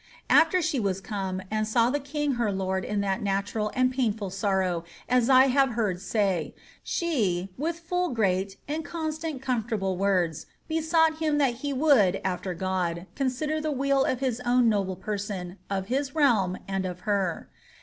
"^ After she was come, and saw the king her lord in that natural and painful sorrow, as 1 have heard say,* she, with full great, and constant, comfortable words, besought him that he would, after God, consider the weal of his own noble person, of his realm, and of her.